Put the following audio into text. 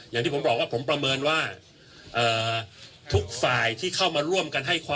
อย่างที่ผมบอกว่าผมประเมินว่าทุกฝ่ายที่เข้ามาร่วมกันให้ความ